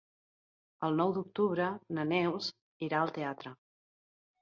El nou d'octubre na Neus irà al teatre.